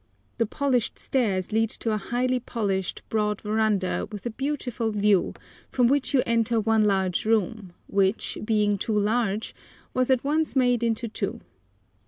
The polished stairs lead to a highly polished, broad verandah with a beautiful view, from which you enter one large room, which, being too large, was at once made into two.